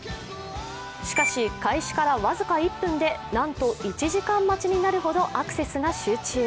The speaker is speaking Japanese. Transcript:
しかし、開始から僅か１分でなんと１時間待ちになるほどアクセスが集中。